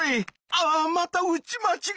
ああまた打ちまちがった！